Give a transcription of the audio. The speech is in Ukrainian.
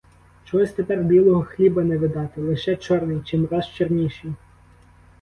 Чогось тепер білого хліба не видати, лише чорний, чимраз чорніший.